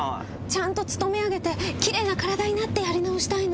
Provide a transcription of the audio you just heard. ちゃんと勤め上げてきれいな体になってやり直したいの。